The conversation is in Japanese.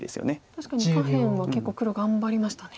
確かに下辺は結構黒頑張りましたね。